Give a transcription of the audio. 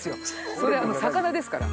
それ魚ですから。